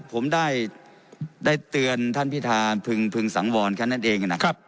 ผมได้เตือนท่านพิธาพึงสังวรแค่นั้นเองนะครับ